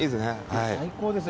最高ですね。